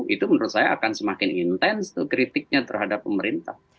itu menurut saya akan semakin intens tuh kritiknya terhadap pemerintah